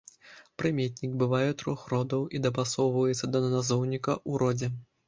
Прыметнік бывае трох родаў і дапасоўваецца да назоўніка ў родзе.